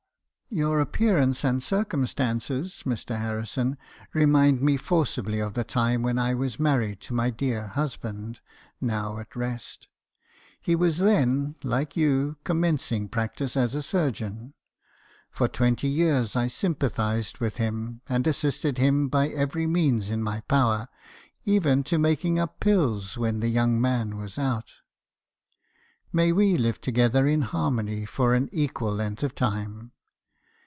"'Your appearance and circumstances, Mr. Harrison, re mind me forcibly of the time when I was married to my dear husband, now at rest. He was then, like you, commencing practice as a surgeon. For twenty years 1 sympathised with him, and assisted him by every means in my power, even to making up pills when the young man was out. May we live together in like harmony for an equal length of time